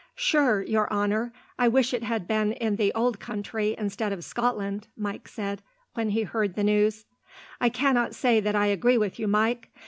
"Sure, your honour, I wish it had been in the ould country instead of Scotland," Mike said, when he heard the news. "I cannot say that I agree with you, Mike.